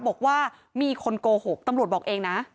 บอกว่ามีคนโกหกตำรวจบอกเองนะ